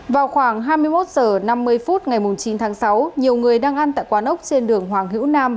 vào khoảng hai mươi một h năm mươi phút ngày chín tháng sáu nhiều người đang ăn tại quán ốc trên đường hoàng hữu nam